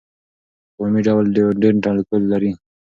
په عمومي ډول ډیوډرنټ الکول لري.